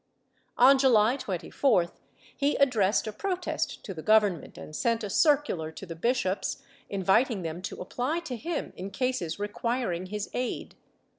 On July 24th he addressed a protest to the Government and sent a circular to the bishops inviting them to apply to him in cases requiring his aid.